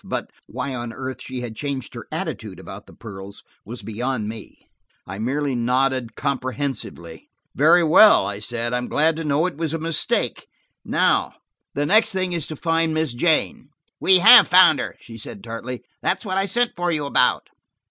But why on earth she had changed her attitude about the pearls was beyond me. I merely nodded comprehensively. "Very well," I said, "I'm glad to know it was a mistake. Now, the next thing is to find Miss Jane." "We have found her," she said tartly. "That's what I sent for you about."